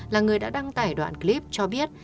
là người đã đăng tải đoạn clip cho biết